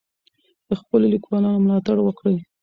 د خپلو لیکوالانو ملاتړ وکړئ.